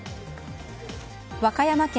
和歌山県